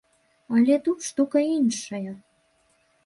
Але тут штука іншая.